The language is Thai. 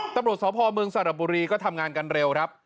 ตำรวจสพเมืองสระบุรีก็ทำงานกันเร็วครับ